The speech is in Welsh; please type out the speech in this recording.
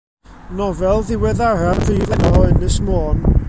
Nofel ddiweddaraf y Prif Lenor o Ynys Môn.